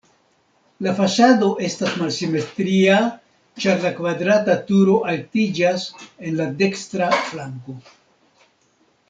La fasado estas malsimetria, ĉar la kvadrata turo altiĝas en la dekstra flanko.